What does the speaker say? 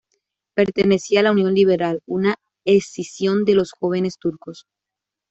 Pertenecía la Unión Liberal, una escisión de los Jóvenes Turcos.